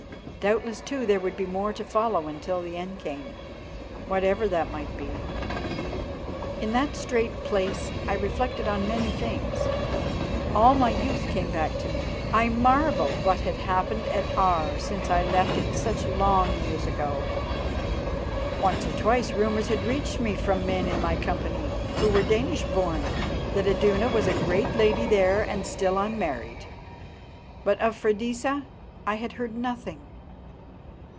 Doubtless, too, there were more to follow until the end came, whatever that might be. In that strait place I reflected on many things. All my youth came back to me. I marvelled what had happened at Aar since I left it such long years ago. Once or twice rumours had reached me from men in my company, who were Danish born, that Iduna was a great lady there and still unmarried. But of Freydisa I had heard nothing.